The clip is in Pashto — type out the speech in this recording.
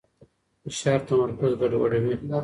فشار تمرکز ګډوډوي.